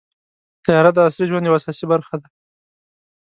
طیاره د عصري ژوند یوه اساسي برخه ده.